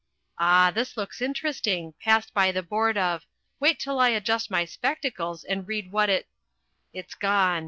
Ah, this looks interesting passed by the board of wait till I adjust my spectacles and read what it It's gone.